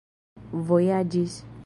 vojaĝis